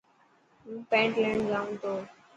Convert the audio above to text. هون پينٽ ليڻ جائو تو.